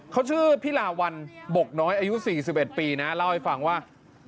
เขาชื่อพิลาวันบกน้อยอายุ๔๑ปีนะเล่าให้ฟังว่า